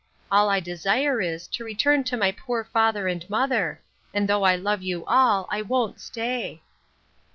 All I desire is, to return to my poor father and mother: and though I love you all, I won't stay.